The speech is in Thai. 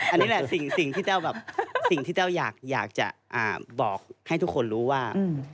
อันนี้แหละสิ่งที่เต้าอยากจะบอกให้ทุกคนรู้ว่า